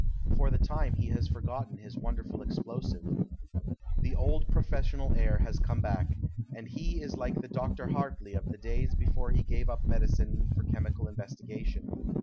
For the time he has forgotten his wonderful explosive. The old professional air has come back, and he is like the Dr. Hartley of the days before he gave up medicine for chemical investigation.